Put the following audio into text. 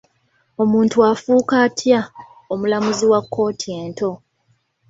Omuntu afuuka atya omulamuzi wa kkooti ento?